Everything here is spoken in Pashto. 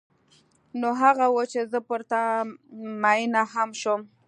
نو هغه و چې زه پر تا مینه هم شوم.